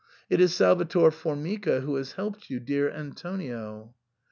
It is Salvator Formica who has helped you, dear An tonio."